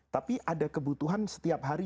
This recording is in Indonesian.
tapi ada kebutuhan setiap hari